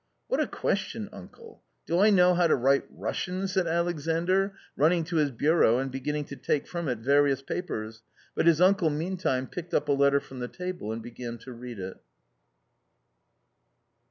" What a question, uncle ; do I know how to write Russian !" said Alexandr, running to his bureau, and beginning to take from it various papers, but his uncle meantime picked up a letter from the table and began to read it.